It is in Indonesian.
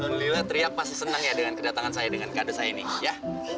alhamdulillah teriak pasti senang ya dengan kedatangan saya dengan kade saya ini ya